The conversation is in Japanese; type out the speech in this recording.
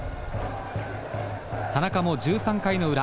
田中も１３回の裏。